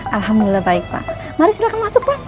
alhamdulillah baik pak mari silahkan masuk pak